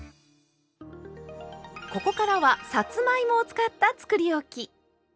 ここからはさつまいもを使ったつくりおき！